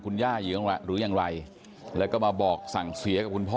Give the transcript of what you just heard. คุณย่าอยู่หรือยังไรแล้วก็มาบอกสั่งเสียกับคุณพ่อ